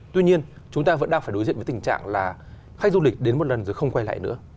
tuy nhiên chúng ta vẫn đang phải đối diện với tình trạng là khách du lịch đến một lần rồi không quay lại nữa